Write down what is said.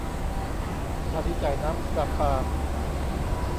สถานีจ่ายน้ำประปา